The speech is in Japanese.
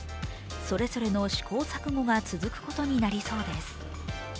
それぞれの試行錯誤が続くことになりそうです。